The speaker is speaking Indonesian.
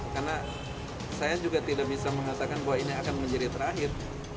karena saya juga tidak bisa mengatakan royalnya akan menjadi terakhir